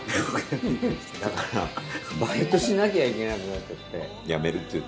だからバイトしなきゃいけなくなっちゃってやめるって。